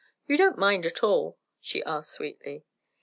You don't mind at all?" she asked sweetly.